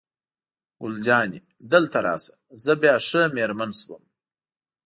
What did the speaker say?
ګل جانې: دلته راشه، زه بیا ښه مېرمن شوم.